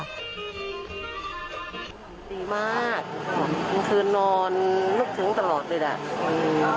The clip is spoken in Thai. ดีมากคือนอนนึกถึงตลอดเลยแหละ